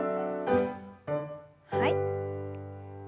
はい。